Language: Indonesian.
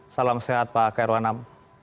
salam sehat pak kairul anam